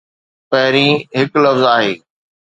پهرين هڪ لفظ آهي.